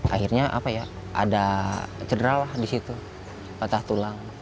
akhirnya apa ya ada cedera lah di situ patah tulang